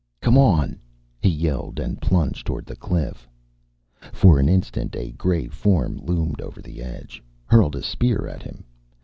"Come on!" he yelled, and plunged toward the cliff. For an instant a gray form loomed over the edge, hurled a spear at him.